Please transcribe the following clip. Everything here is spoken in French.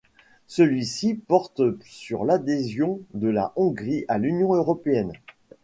Celui-ci porte sur l'adhésion de la Hongrie à l'Union européenne.